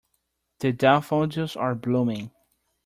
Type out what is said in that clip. The daffodils are blooming.